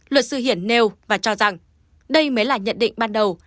luật sư hiển nêu và cho rằng đây mới là nhận định ban đầu